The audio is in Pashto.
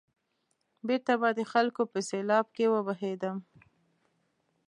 بېرته به د خلکو په سېلاب کې وبهېدم.